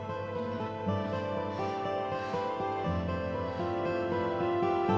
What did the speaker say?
ini dia tempat yang lebih tempat buat aku